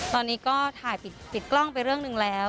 ตอนนี้ก็ถ่ายปิดกล้องไปเรื่องหนึ่งแล้ว